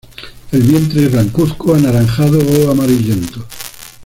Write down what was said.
El vientre es blancuzco, anaranjado o amarillento.